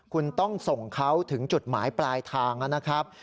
คุณต้องส่งเขาถึงจุดหมายปลายทางนะครับ